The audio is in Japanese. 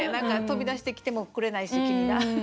飛び出してきてもくれないし君が。